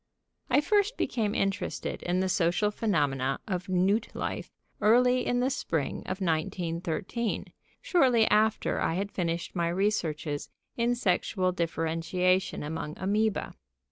"] I first became interested in the social phenomena of newt life early in the spring of 1913, shortly after I had finished my researches in sexual differentiation among amœba.